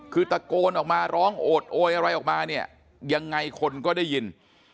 คือตะโกนออกมาร้องโอดโอยอะไรออกมาเนี่ยยังไงคนก็ได้ยิน